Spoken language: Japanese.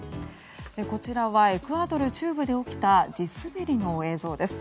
こちらはエクアドル中部で起きた地滑りの映像です。